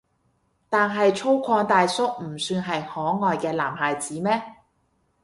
但係粗獷大叔唔算係可愛嘅男孩子咩？